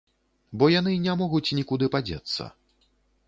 Бо яны не могуць нікуды падзецца.